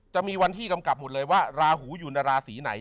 จะมีวันที่กำกับหมดเลยว่าราหูอยู่ในราศีไหน